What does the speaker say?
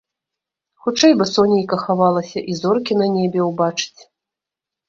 Хутчэй бы сонейка хавалася і зоркі на небе ўбачыць.